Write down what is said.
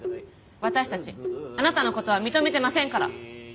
私たちあなたの事は認めてませんから。